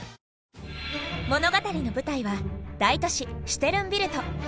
物語の舞台は大都市シュテルンビルト。